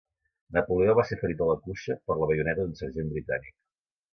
Napoleó va ser ferit a la cuixa per la baioneta d'un sergent britànic.